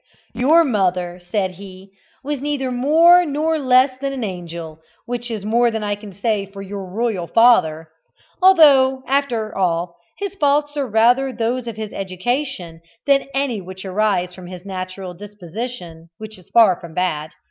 "Your mother," said he, "was neither more nor less than an angel, which is more than I can say for your royal father; although, after all, his faults are rather those of his education than any which arise from his natural disposition, which is far from bad.